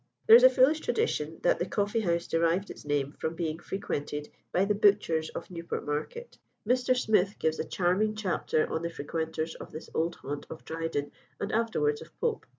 There is a foolish tradition that the coffee house derived its name from being frequented by the butchers of Newport Market. Mr. Smith gives a charming chapter on the frequenters of this old haunt of Dryden and afterwards of Pope.